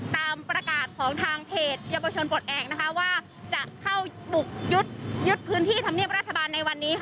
ตามประกาศของทางเพจเยาวชนปลดแอบว่าจะเข้าบุกยึดพื้นที่ธรรมเนียบรัฐบาลในวันนี้